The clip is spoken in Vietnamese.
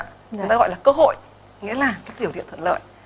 chúng ta gọi là cơ hội nghĩa là các thiểu thiện thuận lợi